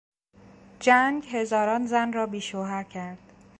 جنگ هزاران زن را بیشوهر کرد.